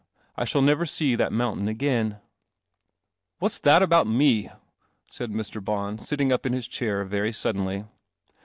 I shall never see that mountain again.' 1 "What'i that about me ?' said Mr. Bons, tting up in hi chair very suddenly.